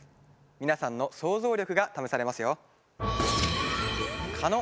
皆さんの想像力が試されますよ。